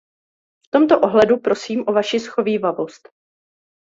V tomto ohledu prosím o vaši shovívavost.